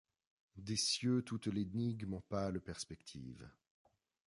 Des cieux toute l’énigme en pâles perspectives